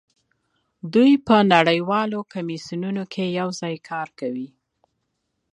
دوی په نړیوالو کمیسیونونو کې یوځای کار کوي